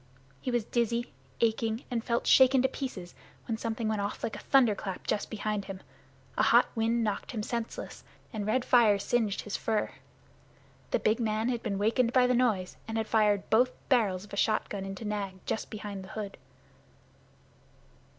He was dizzy, aching, and felt shaken to pieces when something went off like a thunderclap just behind him. A hot wind knocked him senseless and red fire singed his fur. The big man had been wakened by the noise, and had fired both barrels of a shotgun into Nag just behind the hood.